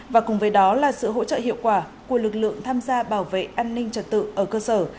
và cùng với đó là sự hỗ trợ hiệu quả của lực lượng tham gia bảo vệ an ninh trật tự ở cơ sở